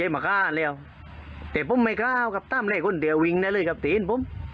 มหาแล้วแต่ผมไม่เคย์เข้ากับต่าง่ายคุณเชียววิงได้เลยครับเป็นผม